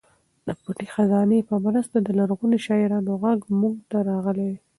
د پټې خزانې په مرسته د لرغونو شاعرانو غږ موږ ته راغلی.